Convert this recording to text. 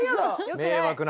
迷惑な。